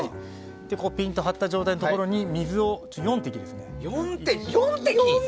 ピンと張った状態のところに水を４滴。